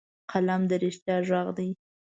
قلم د رښتیا غږ دی